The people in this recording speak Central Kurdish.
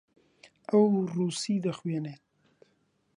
ئەو ڕووسی دەخوێنێت.